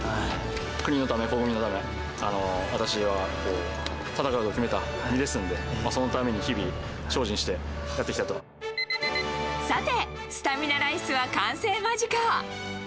国のため、国民のため、私は闘うと決めた身ですので、そのために日々、精進してやってさて、スタミナライスは完成間近。